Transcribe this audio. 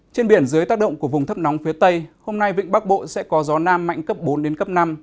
trên biển dưới tác động của vùng thấp nóng phía tây hôm nay vịnh bắc bộ sẽ có gió nam mạnh cấp bốn đến cấp năm